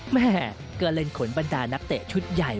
แม่ก็เล่นขนบรรดานักเตะชุดใหญ่